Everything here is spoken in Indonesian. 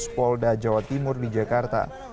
polda jawa timur di jakarta